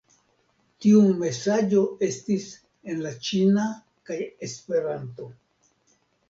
Tiu mesaĝo estis en la ĉina kaj Esperanto.